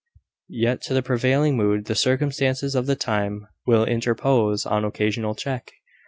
Yet to the prevailing mood the circumstances of the time will interpose an occasional check.